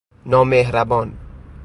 نامﮩربان